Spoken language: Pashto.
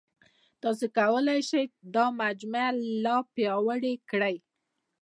تاسو کولای شئ دا مجموعه لا پیاوړې کړئ.